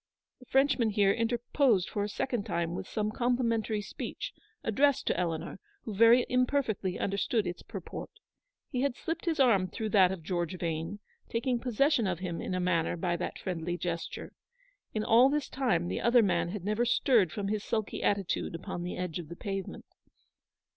The Frenchman here interposed for the second time with some complimentary speech, addressed to Eleanor, who very imperfectly understood its purport. He had slipped his arm through that of George Yane, taking possession of him in a manner by that friendly gesture. In all this time the other man had never stirred from his sulky attitude upon the edge of the pavement.